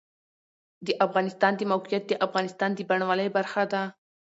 د افغانستان د موقعیت د افغانستان د بڼوالۍ برخه ده.